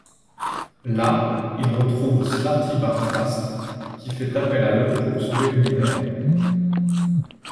Là, ils retrouvent Slartibartfast qui fait appel à eux pour sauver l'Univers.